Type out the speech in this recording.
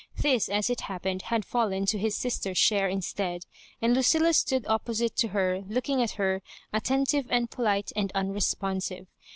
This, as it happened, had fallen to his sister's share instead, and Lucilla stood oppo site to her looking at her, attentive and polite, and unresponsive.